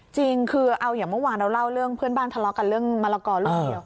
จริงคือเอาอย่างเมื่อวานเราเล่าเรื่องเพื่อนบ้านทะเลาะกันเรื่องมะละกอเรื่องเดียว